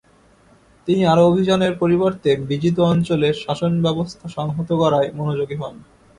তিনি আরো অভিযানের পরিবর্তে বিজিত অঞ্চলে শাসনব্যবস্থা সংহত করায় মনোযোগী হন।